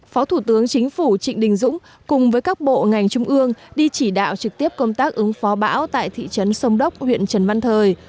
phó thủ tướng chính phủ trịnh đình dũng cùng với các bộ ngành trung ương đi chỉ đạo trực tiếp công tác ứng phó bão tại thị trấn sông đốc huyện trần văn thời